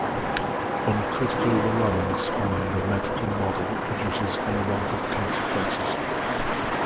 Uncritical reliance on the medical model produces unwanted consequences.